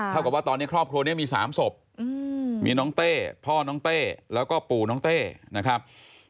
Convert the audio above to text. กับว่าตอนนี้ครอบครัวนี้มี๓ศพมีน้องเต้พ่อน้องเต้แล้วก็ปู่น้องเต้นะครับ